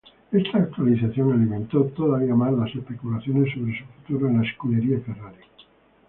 Esa actuación alimentó todavía más las especulaciones sobre su futuro en la Scuderia Ferrari.